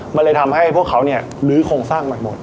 มันเลยทำให้พวกเขาเนี่ยลื้อโครงสร้างใหม่หมด